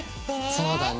そうだね。